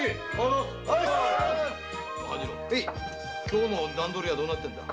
今日の段取りはどうなってるんだ？